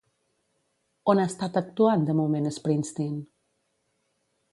On ha estat actuant de moment Springsteen?